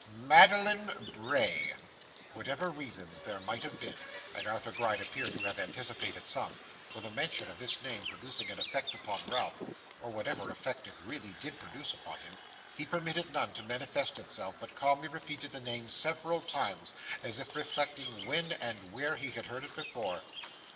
'Madeline Bray.' Whatever reasons there might have been and Arthur Gride appeared to have anticipated some for the mention of this name producing an effect upon Ralph, or whatever effect it really did produce upon him, he permitted none to manifest itself, but calmly repeated the name several times, as if reflecting when and where he had heard it before.